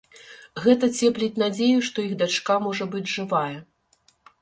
Гэта цепліць надзею, што іх дачка можа быць жывая.